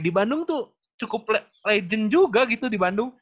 di bandung tuh cukup legend juga gitu di bandung